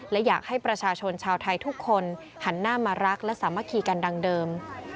และอยากให้ประชาชนชาวไทยทุกคนหันหน้ามารักและสามัคคีกันดังเดิม